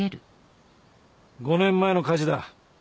５年前の火事だ。